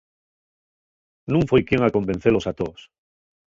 Nun foi quien a convencelos a toos.